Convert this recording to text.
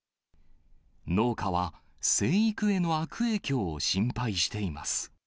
農家は生育への悪影響を心配しています。